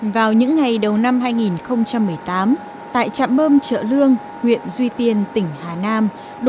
vào những ngày đầu năm hai nghìn một mươi tám tại trạm bơm chợ lương huyện duy tiên tỉnh hà nam